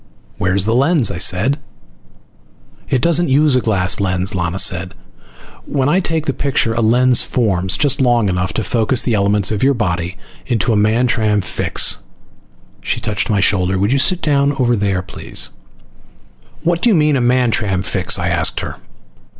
"Where's the lens?" I said. "It doesn't use a glass lens," Lana said. "When I take the picture a lens forms just long enough to focus the elements of your body into a Mantram fix." She touched my shoulder. "Would you sit down over there, please?" "What do you mean by a Mantram fix?" I asked her.